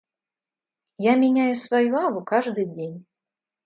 Я меняю свою аву каждый день.